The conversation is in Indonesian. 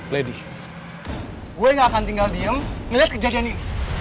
lady gue gak akan tinggal diem melihat kejadian ini